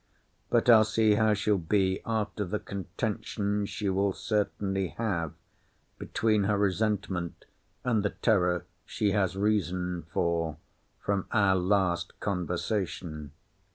But I'll see how she'll be after the contention she will certainly have between her resentment and the terror she has reason for from our last conversation.